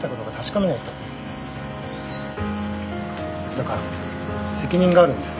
だから責任があるんです。